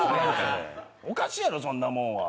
おかしいやろ、そんなもんは。